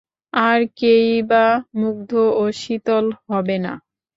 আর কেনইবা মুগ্ধ ও শীতল হবে না?